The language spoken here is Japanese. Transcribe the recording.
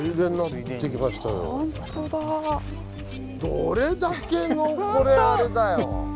どれだけのこれあれだよ